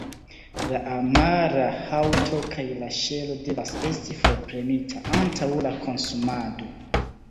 La amara haŭto kaj la ŝelo devas esti forprenita antaŭ la konsumado.